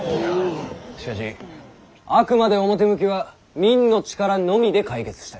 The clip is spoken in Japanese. しかしあくまで表向きは民の力のみで解決したい。